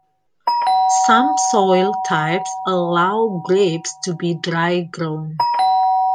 Some soil types allow grapes to be dry-grown.